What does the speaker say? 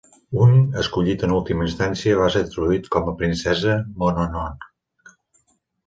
Un, escollit en última instància, va ser traduït com "Princesa Mononoke".